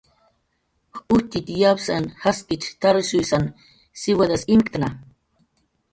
"Ujtxitx yapusn jaskich t""arshuysan siwadas imktna"